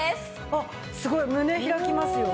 あっすごい胸開きますよ。